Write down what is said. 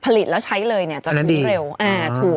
ผลิตแล้วใช้เลยเนี่ยจะคุ้มเร็วถูก